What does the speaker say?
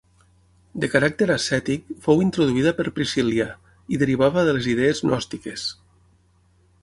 De caràcter ascètic, fou introduïda per Priscil·lià i derivava de les idees gnòstiques.